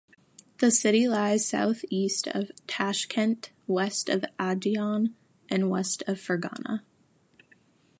The city lies southeast of Tashkent, west of Andijan, and west of Fergana.